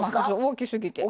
大きすぎて。